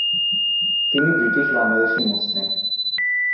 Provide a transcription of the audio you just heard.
তিনি ব্রিটিশ বাংলাদেশী মুসলিম।